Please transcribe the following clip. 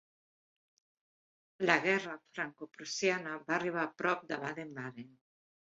La guerra Francoprussiana va arribar a prop de Baden-Baden.